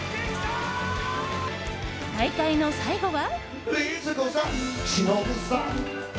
大会の最後は。